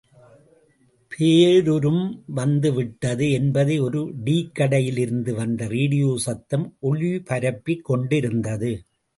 பேருரும் வந்து விட்டது என்பதை ஒரு டீக்கடையிலிருந்து வந்த ரேடியோ சத்தம் ஒலிபரப்பிக் கொண்டிருந்தது.